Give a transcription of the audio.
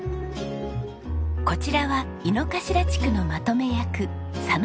こちらは猪之頭地区のまとめ役佐野順一さん。